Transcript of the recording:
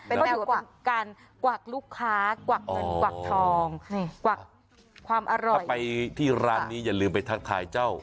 ก็ถือว่าเป็นการกวักลูกค้ากวักเงินกวักทองกวักความอร่อยถ้าไปที่ร้านนี้อย่าลืมไปทักทายเจ้า